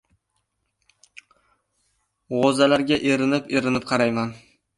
G‘o‘zalarga erinib-erinib qarayman.